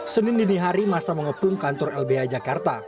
senin dini hari masa mengepung kantor lbh jakarta